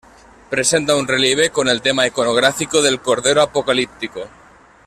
Presenta un relieve con el tema iconográfico del Cordero Apocalíptico.